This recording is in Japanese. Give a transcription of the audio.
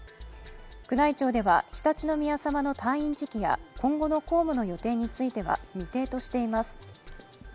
宮内庁では常陸宮さまの退院時期や今後の公務の予定については未定としています。